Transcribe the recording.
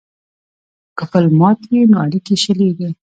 که پل مات وي نو اړیکې شلیږي.